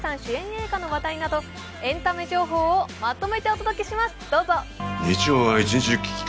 映画の話題など、エンタメ情報をまとめてお届けします、どうぞ。